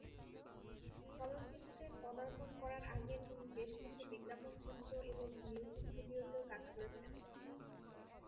চলচ্চিত্রে পদার্পণ করার আগে তিনি বেশ কিছু বিজ্ঞাপন চিত্র এবং মিউজিক ভিডিও-তে কাজ করেছেন।